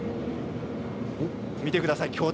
見てください。